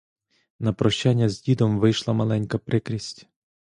На прощання з дідом вийшла маленька прикрість.